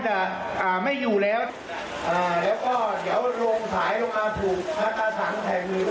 น้องทำใจให้สบายคุณฉันนะ